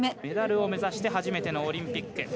メダルを目指して初めてのオリンピック。